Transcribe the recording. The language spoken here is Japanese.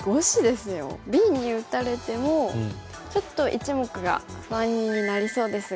Ｂに打たれてもちょっと１目が不安になりそうですが。